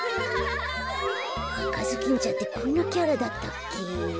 あかずきんちゃんってこんなキャラだったっけ？